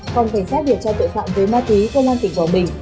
phòng cảnh sát việt cho tội phạm với ma túy công an tỉnh quảng bình